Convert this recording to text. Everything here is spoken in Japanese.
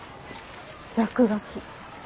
落書き。